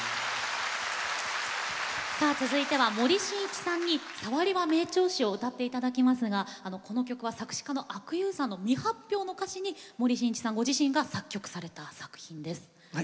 続いて、森進一さんに「さわりは名調子」を歌っていただきますがこの曲は、作詞家・阿久悠さんの未発表の歌詞に森さんご自身が作曲をされた作品です。